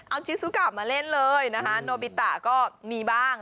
เอาชิซูกลับมาเล่นเลยนะคะโนบิตะก็มีบ้าง